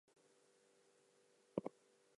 The town is adjacent to the Heard Wildlife Sanctuary.